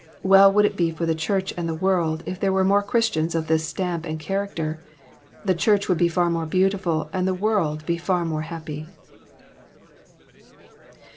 Well would it be for the Church and the world if there were more Christians of this stamp and character I The Charch would be far more beautiftd, and the world be far more happy.